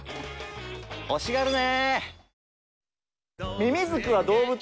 欲しがるね！